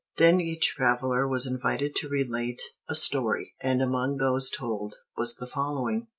'" Then each traveler was invited to relate a story, and among those told was the following.